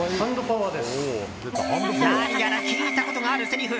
何やら聞いたことがあるせりふ。